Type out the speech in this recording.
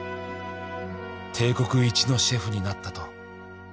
「帝国一のシェフになったと」